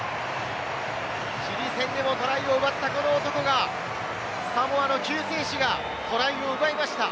チリ戦でもトライを奪ったこの男がサモアの救世主がトライを奪いました。